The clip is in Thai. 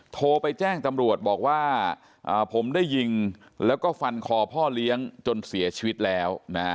โทรไปแจ้งตำรวจบอกว่าผมได้ยิงแล้วก็ฟันคอพ่อเลี้ยงจนเสียชีวิตแล้วนะฮะ